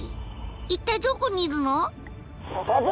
一体どこにいるの？